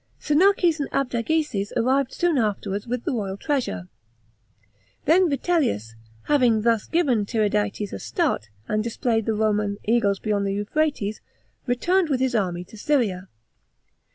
Sinnaces and Abdageses arrived soon afterwards with the royal treasure. Then Vitellius, having thus given Tiridates a start, and displayed the Roman eagles beyond the Euphrates, returned with his army to Syria.